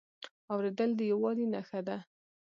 اورېدل د یووالي نښه ده.